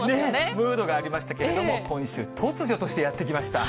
ムードがありましたけれども、今週、突如としてやって来ました。